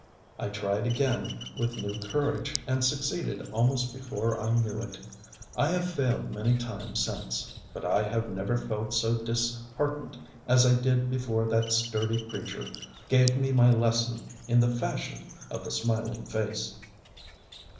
I tried again with new courage and succeeded almost before I knew it. I have failed many times since; but I have never felt so disheartened as I did before that sturdy preacher gave me my lesson in the ŌĆ£fashion of the smiling face.